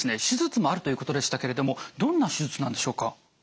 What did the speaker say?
手術もあるということでしたけれどもどんな手術なんでしょうか？